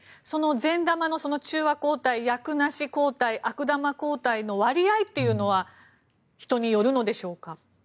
善玉の中和抗体役なし抗体、悪玉抗体の割合というのは人によるのでしょうか？